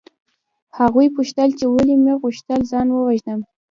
هغوی پوښتل چې ولې مې غوښتل ځان ووژنم